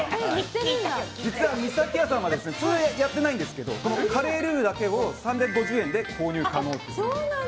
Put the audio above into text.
実は味咲家さんは普通やってないんですけどカレールーだけを３５０円で購入可能という。